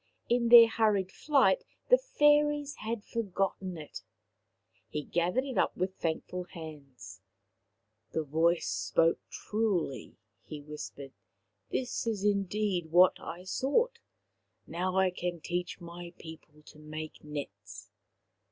In their hurried flight the fairies had forgotten it. He gathered it up with thankful hands. " The The King and the Fairies 109 voice spoke truly," he whispered, " this is indeed what I sought. Now I can teach my people to make nets."